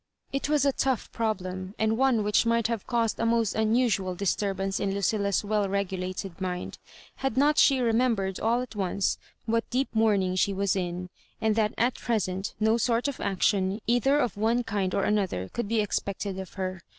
It was a tough problem, and one wlUch might have caused a most unusual dia Digitized by VjOOQIC HISS MABJ0BI6ANK& 160 tarbanoe in LuoOla^s well regulated nund, had not she remembered all at ODoe what deep mourmng she was in, and that at present no sort of action, either of one kind or another, oould be expected of her.